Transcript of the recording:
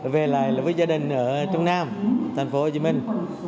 về lại với gia đình ở trung nam thành phố hồ chí minh